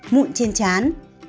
mụn trên chán